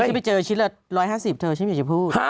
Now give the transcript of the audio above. ฉันไปเจอชิ้นละ๑๕๐เธอฉันอยากจะพูด